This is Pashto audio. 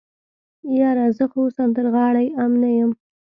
يره زه خو سندرغاړی ام نه يم.